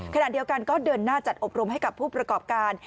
ขณะเดียวกันก็เดินหน้าจัดอบรมให้กับผู้ประกอบการ